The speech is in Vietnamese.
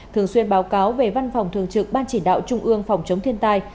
thường xuyên báo cáo về văn phòng thường trực ban chỉ đạo trung ương phòng chống thiên tai